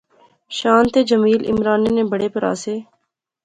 شان تے جمیل عمرانے نے بڑے پرہا سے